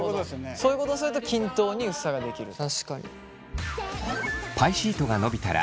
そういうことをすると均等に薄さができると。